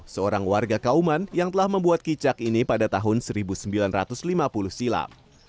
seorang warga kauman yang telah membuat kicak ini pada tahun seribu sembilan ratus lima puluh silam